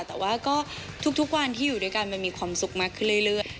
แต่ว่าก็ทุกวันที่อยู่ด้วยกันมันมีความสุขมากขึ้นเรื่อย